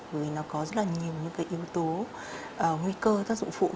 bởi vì nó có rất là nhiều những cái yếu tố nguy cơ tác dụng phụ